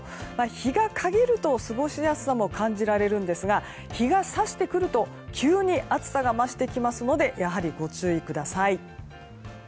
日がかげると過ごしやすさも感じられますが日が差してくると急に暑さが増してきますのでやはり、ご注意ください。